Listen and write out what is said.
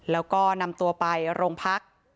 แล้วก็นำตัวไปโรงพัก